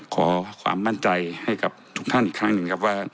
ขอความมั่นใจให้กับทุกท่านอีกครั้งหนึ่งครับว่า